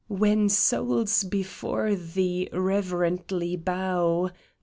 When souls before Thee reverently bow.